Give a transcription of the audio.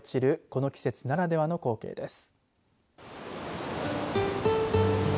この季節ならではの光景です。